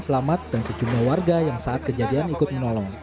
selamat dan sejumlah warga yang saat kejadian ikut menolong